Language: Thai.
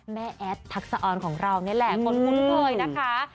แอดทักษะออนของเรานี่แหละคนคุ้นเคยนะคะ